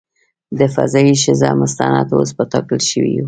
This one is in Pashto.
د "فضايي ښځه" مستند اوس په ټاکل شویو .